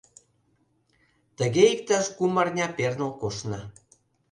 Тыге иктаж кум арня перныл коштна.